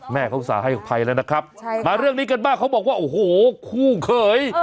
มาเรื่องนี้กันมากเขาบอกว่าโอ้โหหู้เผย